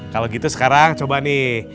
kalau gitu sekarang coba nih